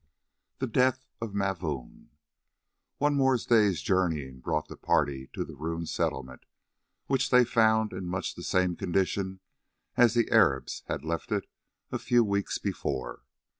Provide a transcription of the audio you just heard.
THE DEATH OF MAVOOM One more day's journeying brought the party to the ruined Settlement, which they found in much the same condition as the Arabs had left it a few weeks before.